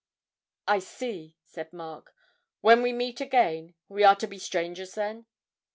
'I see,' said Mark. 'When we meet again we are to be strangers, then?'